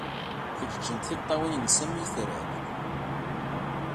Feǧǧeǧent tiṭṭawin-nnes am yitran.